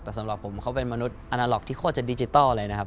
แต่สำหรับผมเขาเป็นมนุษย์อาณาล็อกที่โคตรจะดิจิทัลเลยนะครับ